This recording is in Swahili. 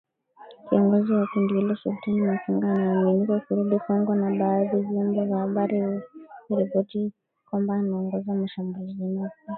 Kiongozi wa kundi hilo Sultani Makenga anaaminika kurudi Kongo, na badhi ya vyombo vya habari vimeripoti kwamba anaongoza mashambulizi mapya.